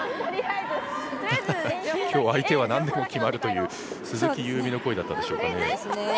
今日、相手はなんでも決まるという鈴木夕湖の声だったでしょうかね。